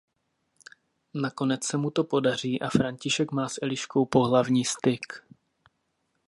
Nakonec se mu to podaří a František má s Eliškou pohlavní styk.